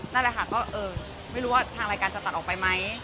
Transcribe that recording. นั่นแหละค่ะก็ไม่รู้ว่าทางรายการจะตัดออกไปไหม